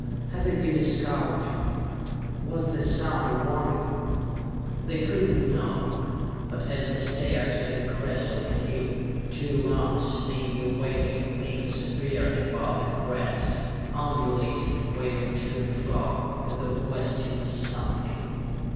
Had they been discovered? Was the sound a warning? They could not know; but as they stared at the crest of the hill, two long, snaky, waving things appeared above the crest, undulating, waving to and fro, as though questing for something.